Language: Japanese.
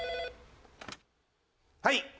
はい。